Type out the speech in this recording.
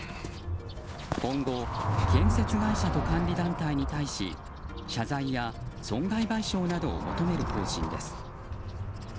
今後、建設会社と管理団体に対し謝罪や損害賠償などを求める方針です。